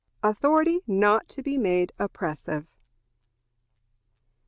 Authority not to be made Oppressive.